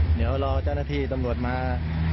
เดี๋ยวรอเจ้าหน้าที่ตำรวจมา